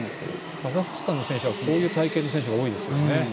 カザフスタンの選手はこういう体形の選手が多いですよね。